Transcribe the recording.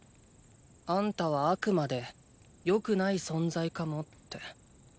あんたは「アクマ」で良くない存在かもって。